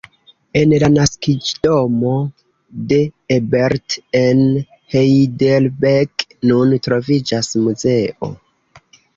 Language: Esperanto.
En la naskiĝdomo de Ebert, en Heidelberg, nun troviĝas muzeo.